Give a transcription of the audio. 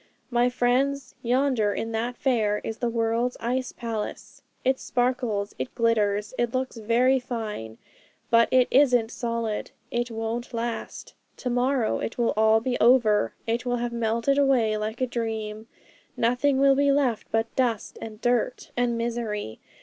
'My friends, yonder in that fair is the world's ice palace! It sparkles, it glitters, it looks very fine; but it isn't solid, it won't last. To morrow it will all be over; it will have melted away like a dream. Nothing will be left but dust, and dirt, and misery.